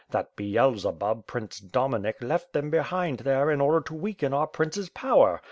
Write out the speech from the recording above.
That Beelzebub, Prince Dominik, left them behind there in order to weaken our prince's power.